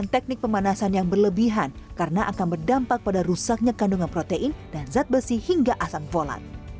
teknik pemanasan yang berlebihan karena akan berdampak pada rusaknya kandungan protein dan zat besi hingga asam folat